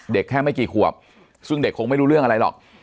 แค่ไม่กี่ขวบซึ่งเด็กคงไม่รู้เรื่องอะไรหรอก